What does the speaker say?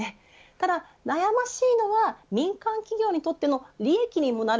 ただ悩ましいのは民間企業にとっての利益にもなる。